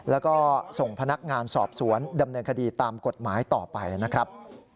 แล้วก็ส่งพนักงานสอบสวนดำเนินคดีตามกฎหมายต่อไปนะครับ